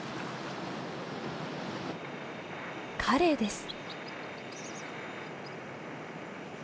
カレイです。